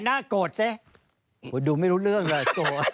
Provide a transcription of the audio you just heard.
หน้ากดสิดูไม่รู้เรื่องเลย